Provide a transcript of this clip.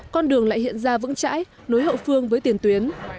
con đường lại hiện ra vững chãi nối hậu phương với tiền tuyến